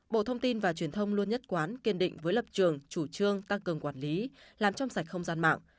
bộ thông tin và truyền thông luôn nhất quán kiên định với lập trường chủ trương tăng cường quản lý làm trong sạch không gian mạng